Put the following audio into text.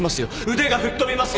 腕が吹っ飛びますよ！